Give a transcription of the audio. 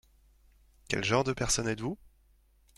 Quel genre de personne êtes-vous ?